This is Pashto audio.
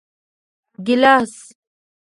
🍒 ګېلاس